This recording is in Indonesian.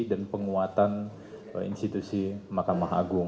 dan penguatan institusi mahkamah agung